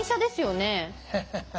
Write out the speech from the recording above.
ハハハ。